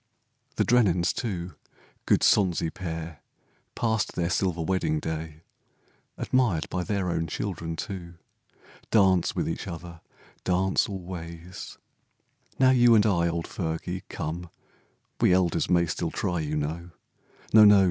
The Drennens too, good sonsy pair, Passed their silver wedding day, 139 END OF HARDEST. Admired by their own children too, Dance with each other, dance alway. Now you and I, old Fergie, come, We elders may still try, you know, No, no